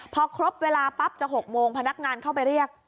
พอครบเวลาปั๊บจะ๖โมงพนักงานเข้าไปเรียก